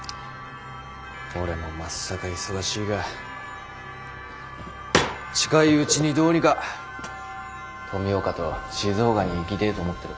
俺もまっさか忙しいが近いうちにどうにか富岡と静岡に行ぎてぇと思ってる。